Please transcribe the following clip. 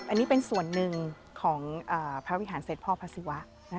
อันนี้เป็นส่วนหนึ่งของพระวิหารเสร็จพ่อพระศิวะ